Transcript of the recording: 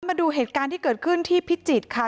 มาดูเหตุการณ์ที่เกิดขึ้นที่พิจิตรค่ะ